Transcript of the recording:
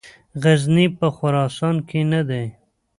غزني په خراسان کې نه دی.